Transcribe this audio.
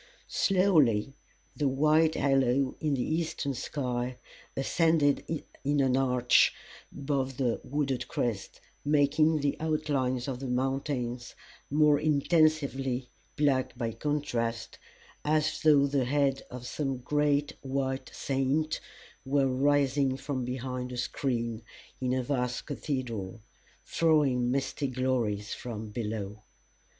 Slowly the white halo in the eastern sky ascended in an arch above the wooded crests, making the outlines of the mountains more intensely black by contrast, as though the head of some great white saint were rising from behind a screen in a vast cathedral, throwing misty glories from below.